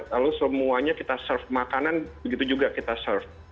lalu semuanya kita serve makanan begitu juga kita serve